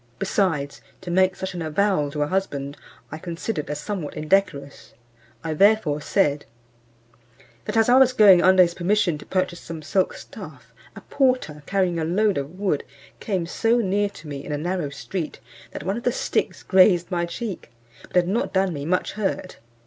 Besides, to make such an avowal to a husband, I considered as somewhat indecorous; I therefore said, "That as I was going, under his permission, to purchase some silk stuff, a porter, carrying a load of wood, came so near to me, in a narrow street, that one of the sticks grazed my cheek; but had not done me much hurt."